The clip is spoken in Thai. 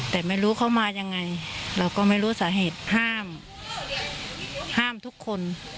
แต่ไม่รู้เขามายังไงเราก็ไม่รู้สาเหตุห้ามทุกคน